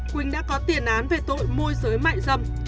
quỳnh đã có tiền án về tội môi giới mại dâm